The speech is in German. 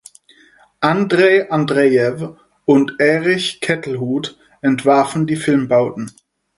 Andrej Andrejew und Erich Kettelhut entwarfen die Filmbauten.